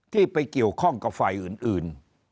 ที่ไปเกี่ยวข้องกับไฟอื่น